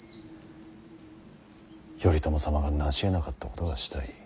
頼朝様がなしえなかったことがしたい。